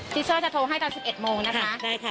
ทีเซอร์จะโทรให้ตอน๑๑โมงนะคะได้ค่ะ